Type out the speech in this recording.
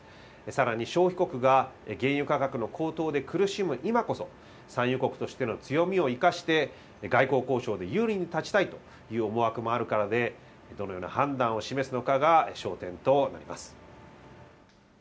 さらに消費国が原油価格の高騰で苦しむ今こそ、産油国としての強みを生かして、外交交渉で有利に立ちたいという思惑もあるからで、どのような判断を示すのかが焦点となります。